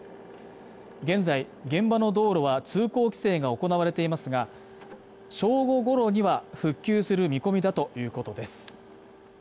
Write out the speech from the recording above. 現在現場の道路は通行規制が行われていますが正午ごろには復旧する見込みだということです